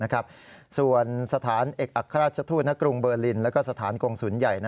และสถานกรงสุนใหญ่และเอกอัครราชทุนกรุงเบอริน